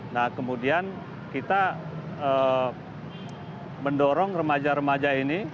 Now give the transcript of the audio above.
nah kemudian kita mendorong remaja remaja ini